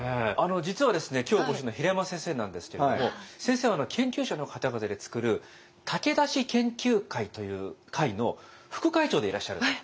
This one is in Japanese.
実は今日お越しの平山先生なんですけれども先生は研究者の方々で作る「武田氏研究会」という会の副会長でいらっしゃる。